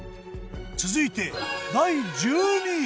続いて第１２位。